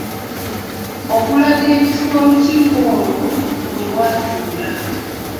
Okulaga ekifo olukiiko olwo we lwatuula.